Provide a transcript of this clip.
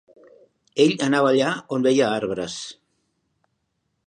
Ell anava allà on veia arbres